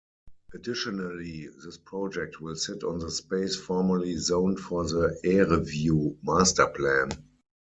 Additionally, this project will sit on the space formerly zoned for the Erieview masterplan.